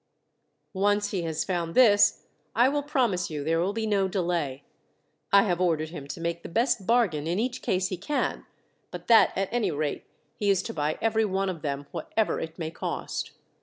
Once he has found this, I will promise you there will be no delay. I have ordered him to make the best bargain in each case he can, but that at any rate he is to buy every one of them, whatever it may cost.